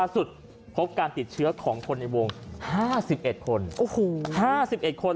สุดพบการติดเชื้อของคนในวง๕๑คน๕๑คน